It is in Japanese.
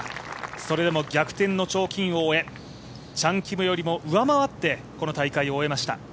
それでも逆転の賞金王へ、チャン・キムよりも上回ってこの大会を終えました。